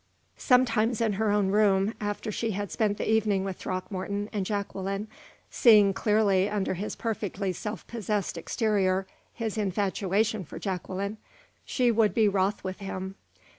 Sometimes in her own room, after she had spent the evening with Throckmorton and Jacqueline, seeing clearly under his perfectly self possessed exterior his infatuation for Jacqueline, she would be wroth with him.